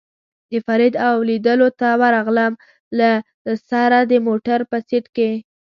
د فرید او لېدلو ته ورغلم، له سره د موټر په سېټ کې.